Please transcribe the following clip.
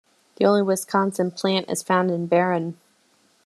The only Wisconsin plant is found in Barron.